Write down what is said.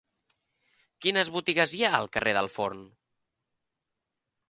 Quines botigues hi ha al carrer del Forn?